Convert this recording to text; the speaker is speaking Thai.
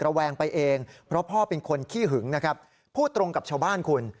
แวงไปเองเพราะพ่อเป็นคนขี้หึงนะครับพูดตรงกับชาวบ้านคุณ